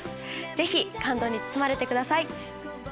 ぜひ感動に包まれてください。